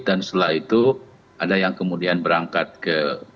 dan setelah itu ada yang kemudian berangkat ke